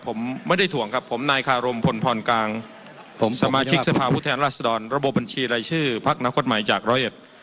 ผมไม่ได้ถ่วงครับผมนายคารมพลพรกลางผมสมาชิกสภาพผู้แทนราชดรระบบบบัญชีรายชื่อพักอนาคตใหม่จากร้อยเอ็ด